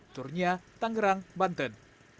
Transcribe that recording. turnia tangerang banten